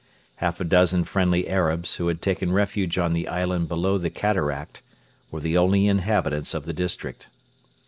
Half a dozen friendly Arabs, who had taken refuge on the island below the cataract, were the only inhabitants of the district.